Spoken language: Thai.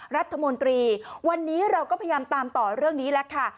รัฐมนตรีวันนี้เราก็พยายามตามต่อเรื่องนี้แล้วค่ะ